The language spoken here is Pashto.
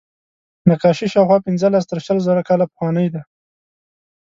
نقاشي شاوخوا پینځلس تر شلو زره کاله پخوانۍ ده.